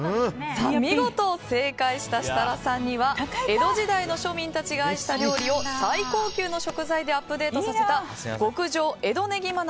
見事正解した設楽さんには江戸時代の庶民たちが愛した料理を最高級の食材でアップデートさせた極上江戸ねぎま